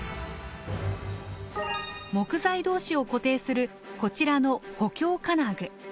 木材同士を固定するこちらの補強金具。